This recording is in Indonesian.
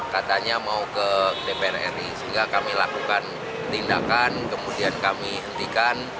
katanya mau ke dpr ri sehingga kami lakukan tindakan kemudian kami hentikan